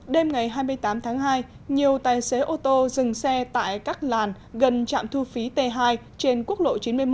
đêm ngày hai mươi tám tháng hai nhiều tài xế ô tô dừng xe tại các làn gần trạm thu phí t hai trên quốc lộ chín mươi một